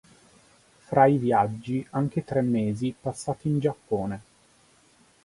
Fra i viaggi anche tre mesi passati in Giappone.